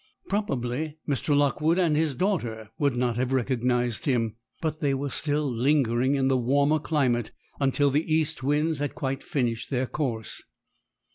Probably Mr. Lockwood and his daughter would not have recognised him; but they were still lingering in a warmer climate, until the east winds had quite finished their course.